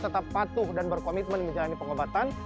tetap patuh dan berkomitmen menjalani pengobatan